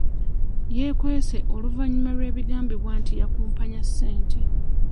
Yeekwese oluvannyuma lw'ebigambibwa nti yakumpanya ssente.